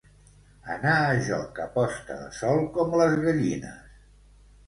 Anar a joc a posta de sol com les gallines.